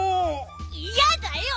いやだよ！